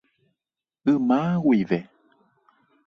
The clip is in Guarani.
Yma guive.